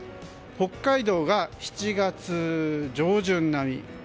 北海道が７月上旬並み。